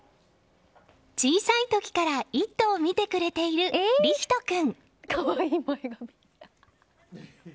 小さい時から「イット！」を見てくれている理人君。